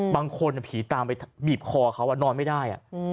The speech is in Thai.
บางทีผีตามไปบีบคอเขานอนไม่ได้